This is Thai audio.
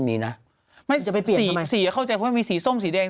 สีเข้าใจว่ามีสีส้มสีแดง